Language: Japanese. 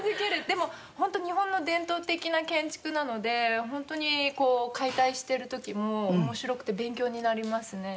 でもホント日本の伝統的な建築なのでホントにこう解体してる時も面白くて勉強になりますね色々。